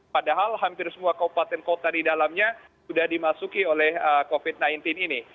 padahal hampir semua kabupaten kota di dalamnya sudah dimasuki oleh covid sembilan belas ini